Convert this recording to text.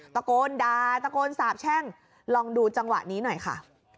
ตะโกนด่าตะโกนสาบแช่งลองดูจังหวะนี้หน่อยค่ะ